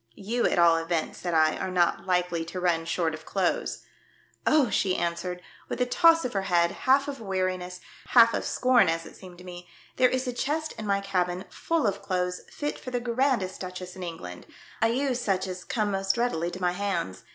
"You, at all events," said I, "are not likely to run short of clothes." 144 THE DEATH SHIP. "Oh!" she answered, with a toss of her head, half of weariness, half of scorn as it seemed to me, "there is a chest in my cabin full of clothes fit for the s^randest Duchess in England. I use such as come most readily to my hands.